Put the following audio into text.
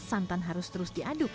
santan harus terus diaduk